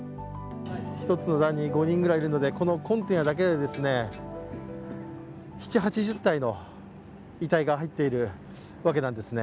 １つの段に５人くらいいるのでこのコンテナだけで７０８０体の遺体が入っているわけなんですね。